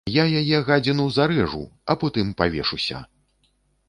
Я яе, гадзіну, зарэжу, а потым павешуся!